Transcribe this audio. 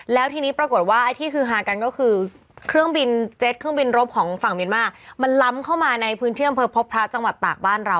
แล้วทีนี้ปรากฏว่าอันที่คือหากันก็คือเครื่องบินเจ็ตเครื่องบินรบของฝั่งเมียนมา